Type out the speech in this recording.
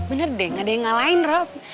bener deh gak ada yang ngalahin rob